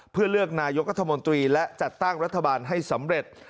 เพื่อเลือกนายกรัฐมนตรีและจัดตั้งรัฐบาลให้สำเร็จ